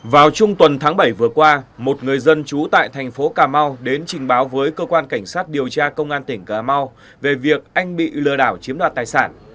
vào trung tuần tháng bảy vừa qua một người dân trú tại thành phố cà mau đến trình báo với cơ quan cảnh sát điều tra công an tỉnh cà mau về việc anh bị lừa đảo chiếm đoạt tài sản